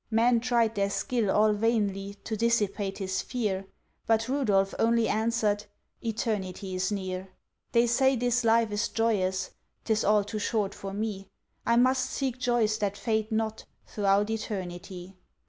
Men tried their skill all vainly To dissipate his fear; But Rudolph only answered— "Eternity is near! They say this life is joyous, 'Tis all too short for me, I must seek joys that fade not, Throughout Eternity.